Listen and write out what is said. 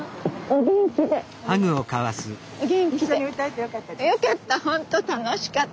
よかった！